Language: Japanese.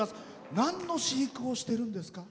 なんの飼育をしているんですか？